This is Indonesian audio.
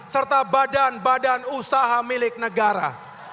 serta badan badan usaha milik negara